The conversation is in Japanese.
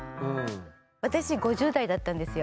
私５０代だったんですよ。